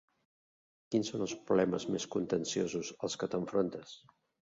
Quins són els problemes més contenciosos als que t'enfrontes?